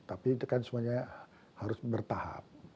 tapi itu kan semuanya harus bertahap